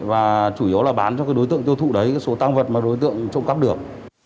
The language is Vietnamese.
và chủ yếu là bán cho cái đối tượng tiêu thụ đấy số tăng vật mà đối tượng trộm cắp được